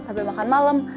sampe makan malem